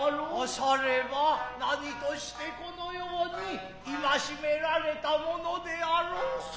されば何として此の様にいましめられたものであろう。